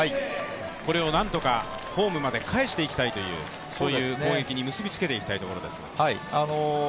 これを何とかホームへ返していきたいという攻撃に結びつけたいところです。